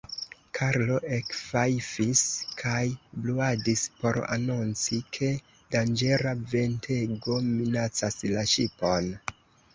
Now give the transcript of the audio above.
Karlo ekfajfis kaj bruadis por anonci, ke danĝera ventego minacas la ŝipon.